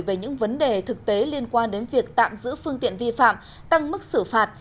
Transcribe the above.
về những vấn đề thực tế liên quan đến việc tạm giữ phương tiện vi phạm tăng mức xử phạt